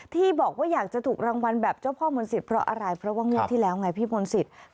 ที่บอกว่าอยากจะถูกรางวัลแบบเจ้าพ่อมนศิษย์เพราะอะไรเพราะว่างวดที่แล้วไงพี่มนต์สิทธิ์